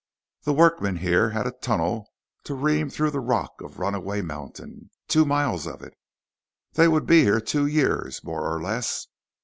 The workmen here had a tunnel to ream through the rock of Runaway Mountain, two miles of it. They would be here two years, more or less.